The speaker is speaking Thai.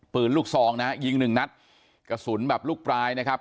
ปืนลูกซองนะฮะยิงหนึ่งนัดกระสุนแบบลูกปลายนะครับ